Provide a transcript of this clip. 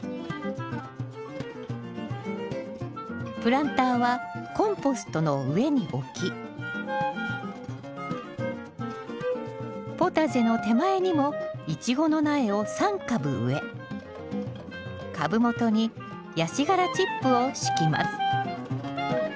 プランターはコンポストの上に置きポタジェの手前にもイチゴの苗を３株植え株元にヤシ殻チップを敷きます